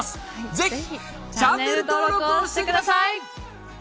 ぜひチャンネル登録をしてください！